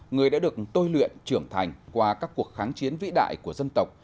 người đã được tôi luyện trưởng thành qua các cuộc kháng chiến vĩ đại của dân tộc